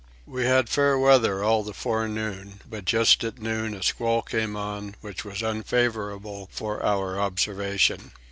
We had fair weather all the forenoon, but just at noon a squall came on which was unfavourable for our observation.